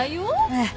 ええ。